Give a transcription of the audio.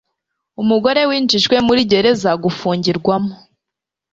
umugore winjijwe muri gereza gufungirwamo